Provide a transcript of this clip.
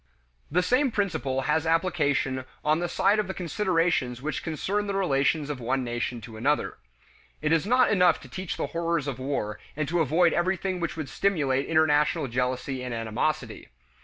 The same principle has application on the side of the considerations which concern the relations of one nation to another. It is not enough to teach the horrors of war and to avoid everything which would stimulate international jealousy and animosity.